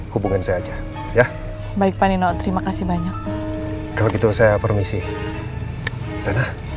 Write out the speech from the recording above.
hubungan saya aja ya baik panino terima kasih banyak kalau gitu saya permisi danah